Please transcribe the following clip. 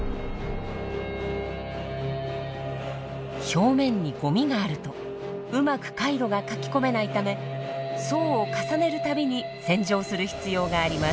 表面にゴミがあるとうまく回路が書き込めないため層を重ねる度に洗浄する必要があります。